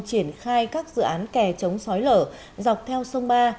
triển khai các dự án kè chống xói lở dọc theo sông ba